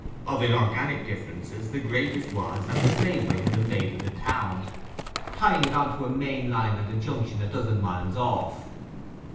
Of inorganic differences the greatest was that a railway had invaded the town, tying it on to a main line at a junction a dozen miles off.